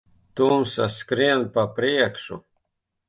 Tumsa skrien pa priekšu.